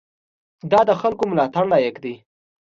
دا د خلکو ملاتړ لایق دی.